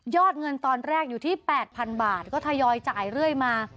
เงินตอนแรกอยู่ที่๘๐๐๐บาทก็ทยอยจ่ายเรื่อยมา